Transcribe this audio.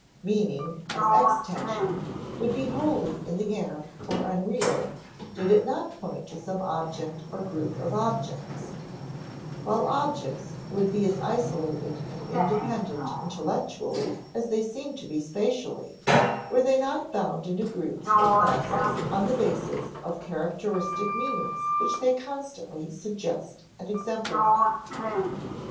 Meaning, as extension, would be wholly in the air or unreal, did it not point to some object or group of objects; while objects would be as isolated and independent intellectually as they seem to be spatially, were they not bound into groups or classes on the basis of characteristic meanings which they constantly suggest and exemplify.